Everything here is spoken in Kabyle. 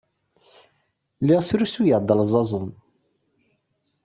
Lliɣ srusuyeɣ-d alzazen.